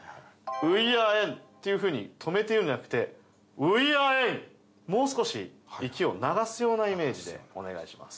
「ういあえん」っていうふうに止めて言うんじゃなくて「ういあえん」。もう少し息を流すようなイメージでお願いします。